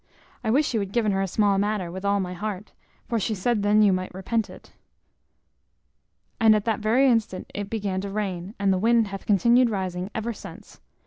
I wish you had given her a small matter, with all my heart; for she said then you might repent it; and at that very instant it began to rain, and the wind hath continued rising ever since.